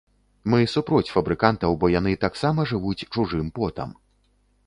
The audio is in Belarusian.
Мы супроць фабрыкантаў, бо яны таксама жывуць чужым потам.